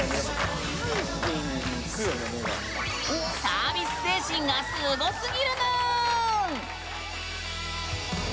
サービス精神がすごすぎるぬーん！